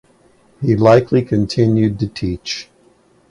He likely continued to teach.